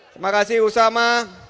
terima kasih usama